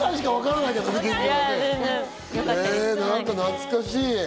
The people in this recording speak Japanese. なんか懐かしい。